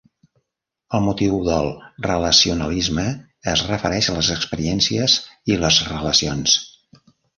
El motiu del relacionalisme es refereix a les experiències i les relacions.